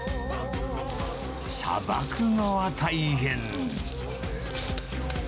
さばくのは大変。